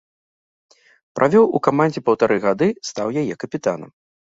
Правёў у камандзе паўтары гады, стаў яе капітанам.